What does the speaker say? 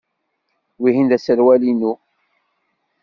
Wihin d aserwal-inu.